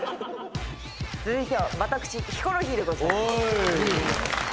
続いては、私、ヒコロヒーでございます。